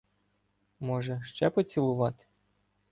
— Може, ще поцілувати?